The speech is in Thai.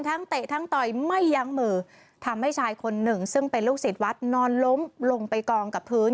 เตะทั้งต่อยไม่ยั้งมือทำให้ชายคนหนึ่งซึ่งเป็นลูกศิษย์วัดนอนล้มลงไปกองกับพื้น